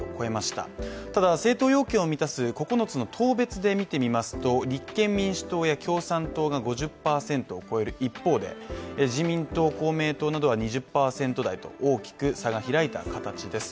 ただ政党要件を満たす９つの党別で見てみますと、立憲民主党や共産党が５０％を超える一方で、自民党公明党などは２０％台と大きく差が開いた形です